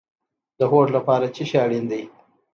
د هوډ لپاره څه شی اړین دی؟